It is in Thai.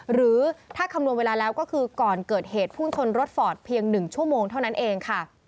หรือถ้าคำนวณเวลาแล้วก็คือก่อนเกิดเหตุพุ่งชนรถฟอร์ตเพียง๑ชั่วโมงเท่านั้นเองค่ะ